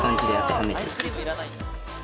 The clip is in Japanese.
アイスクリーム要らないんだ。